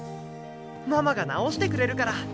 ママが直してくれるから。